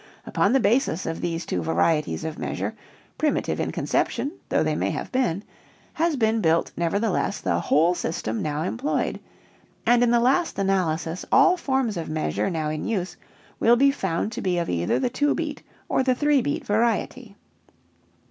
Upon the basis of these two varieties of measure, primitive in conception though they may have been, has been built nevertheless the whole system now employed, and in the last analysis all forms of measure now in use will be found to be of either the two beat or the three beat variety.